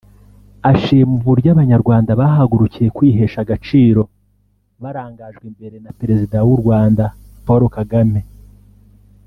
ashima uburyo Abanyarwanda bahagurukiye kwihesha agaciro barangajwe imbere na Perezida w’u Rwanda Paul Kagame